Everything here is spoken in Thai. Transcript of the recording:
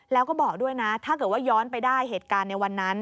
แล้วก็บอกด้วยนะถ้าเกิดว่าย้อนไปได้เหตุการณ์ในวันนั้น